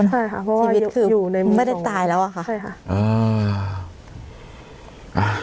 เพราะว่าชีวิตคือไม่ได้ตายแล้วอะค่ะใช่ค่ะ